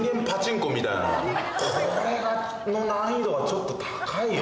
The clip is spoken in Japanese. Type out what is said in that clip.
これの難易度がちょっと高いよね。